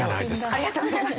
ありがとうございます！